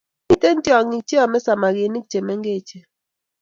miten tyongik cheome samaginik chemengech